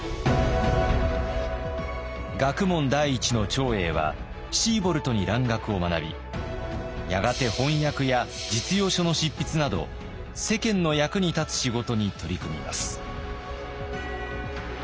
学問第一の長英はシーボルトに蘭学を学びやがて翻訳や実用書の執筆など世間の役に立つ仕事に取り組みます。